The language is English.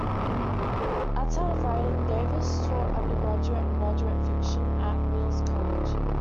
Outside of writing, Davis taught undergraduate and graduate fiction at Mills College.